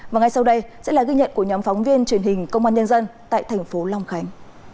và ngay sau đây sẽ là ghi nhận của nhóm phóng viên truyền hình công an nhân dân tại thành phố long khánh